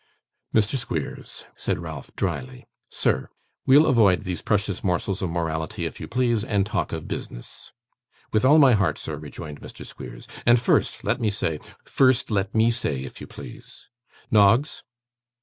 'Mr. Squeers,' said Ralph, drily. 'Sir.' 'We'll avoid these precious morsels of morality if you please, and talk of business.' 'With all my heart, sir,' rejoined Squeers, 'and first let me say ' 'First let ME say, if you please. Noggs!